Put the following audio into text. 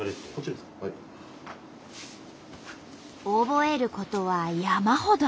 覚えることは山ほどある。